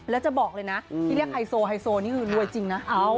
แล้วจะบอกเลยนะที่เรียกไฮโซไฮโซนี่คือรวยจริงนะ